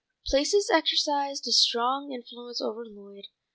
Places exercised a strong influence over Lloyd.